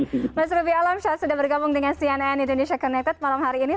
terima kasih mas ruby alamsyah sudah bergabung dengan cnn indonesia connected malam hari ini